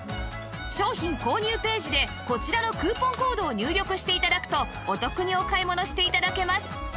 商品購入ページでこちらのクーポンコードを入力して頂くとお得にお買い物して頂けます